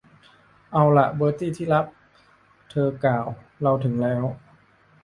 เอาล่ะ เบอร์ตี้ ที่รัก เธอกล่าว เราถึงแล้ว